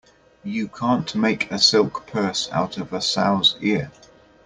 You can't make a silk purse out of a sow's ear.